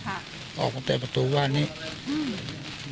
ส่วนนางสุธินนะครับบอกว่าไม่เคยคาดคิดมาก่อนว่าบ้านเนี่ยจะมาถูกภารกิจนะครับ